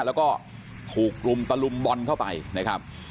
แล้วก็ถูกกลุ่มตะลุมบอลเข้าไปนะครับ